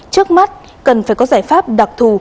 trước mắt cần phải có giải pháp đặc thù